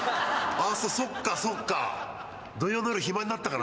そっかそっか。